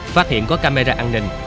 phát hiện có camera an ninh